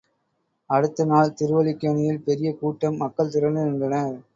அடுத்த நாள் திருவல்லிக்கேணியில் பெரிய கூட்டம்—மக்கள் திரண்டு நின்றனர்.